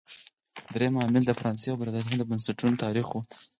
درېیم عامل د فرانسې او برېټانیا د بنسټونو تاریخ و.